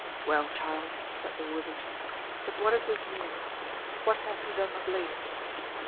"Well, child," said Allworthy, "but what is this new instance? What hath he done of late?"